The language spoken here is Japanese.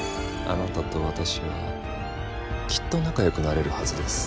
あなたと私はきっと仲よくなれるはずです。